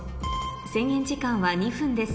制限時間は２分です